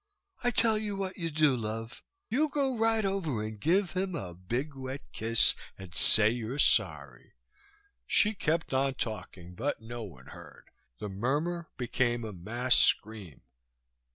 I tell you what you do, love, you go right over and give him a big wet kiss and say you're sorry." She kept on talking, but no one heard. The murmur became a mass scream.